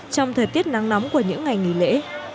trong thời tiết nắng nóng của những ngày nghỉ lễ